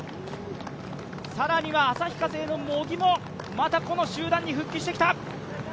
更には旭化成の茂木もまだこの集団に復帰してきた。